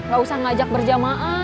gak usah ngajak berjamaah